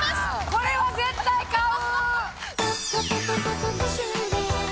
これは絶対買う！